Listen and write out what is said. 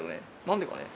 何でかね。